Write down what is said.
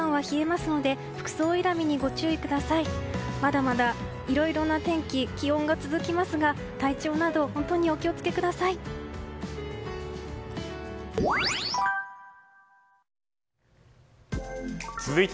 まだまだ、いろいろな天気気温が続きますが体調など本当にお気を付けください。